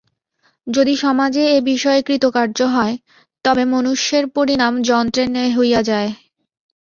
যদি সমাজে এ বিষয়ে কৃতকার্য হয়, তবে মনুষ্যের পরিণাম যন্ত্রের ন্যায় হইয়া যায়।